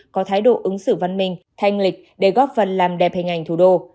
có thái độ ứng xử văn minh thanh lịch để góp phần làm đẹp hình ảnh thủ đô